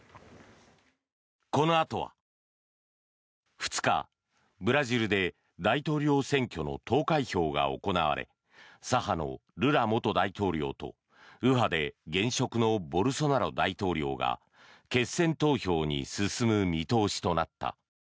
このあとは２日、ブラジルで大統領選挙の投開票が行われ左派のルラ元大統領と右派で現職のボルソナロ大統領が決選投票に進む見通しとなった。